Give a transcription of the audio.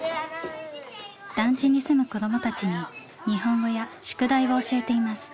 団地に住む子どもたちに日本語や宿題を教えています。